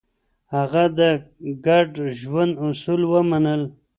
هغه د ګډ ژوند اصول ومنل.